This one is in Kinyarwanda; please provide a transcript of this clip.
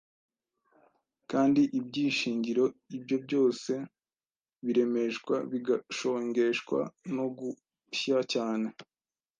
kandi iby’ishingiro, ibyo byose biremeshwa, bigashongeshwa no gushya cyane